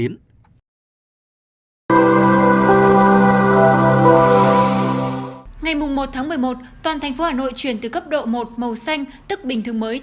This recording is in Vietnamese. ngày một tháng một mươi một toàn thành phố hà nội chuyển từ cấp độ một màu xanh tức bình thường mới